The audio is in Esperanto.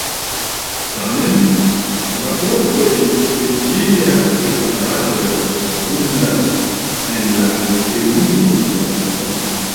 Tamen, raportoj pri ĝia preparado abundas en la kemia literaturo.